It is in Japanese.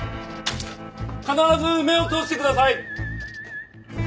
必ず目を通してください！